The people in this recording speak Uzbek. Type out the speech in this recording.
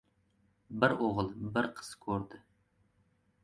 Bir o‘g‘il, bir qiz ko‘rdi.